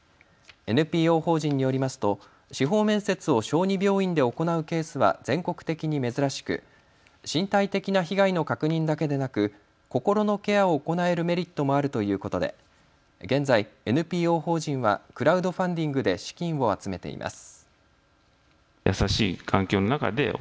ＮＰＯ法人によりますと司法面接を小児病院で行うケースは全国的に珍しく身体的な被害の確認だけでなく心のケアを行えるメリットもあるということで現在、ＮＰＯ法人はクラウドファンディングで資金を集めています。